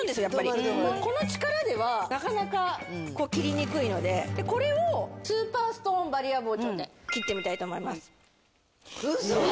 やっぱりこの力ではなかなか切りにくいのでこれをスーパーストーンバリア包丁で切ってみたいと思いますウソ！